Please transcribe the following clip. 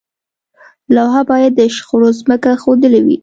لوحه باید د شخړې ځمکه ښودلې وي.